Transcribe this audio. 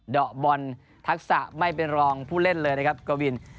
ดอกบอลทักษะไม่เป็นรองผู้เล่นเลยนะครับกวิน